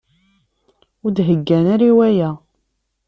Ur d-heggan ara i waya.